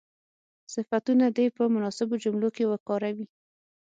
صفتونه دې په مناسبو جملو کې وکاروي.